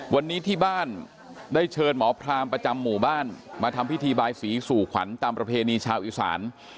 วันนี้ที่บ้านได้เชิญหมอพรามประจำหมู่บ้านมาทำพิธีบายสีสู่ขวัญตามประเพณีชาวอีสาน